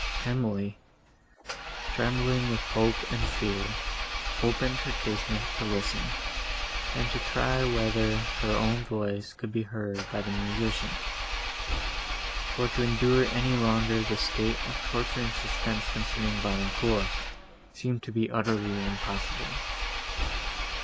Emily, trembling with hope and fear, opened her casement to listen, and to try whether her own voice could be heard by the musician; for to endure any longer this state of torturing suspense concerning Valancourt, seemed to be utterly impossible.